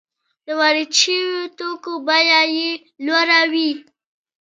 د وارد شویو توکو بیه یې لوړه وي